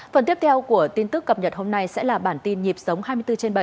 phần tiếp theo của tin tức cập nhật hôm nay sẽ là bản tin nhịp sống hai mươi bốn trên bảy